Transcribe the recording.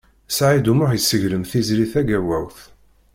Saɛid U Muḥ yesseglem Tiziri Tagawawt.